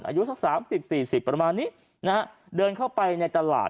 อายุสัก๓๐๔๐ประมาณนี้นะฮะเดินเข้าไปในตลาด